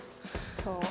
そう！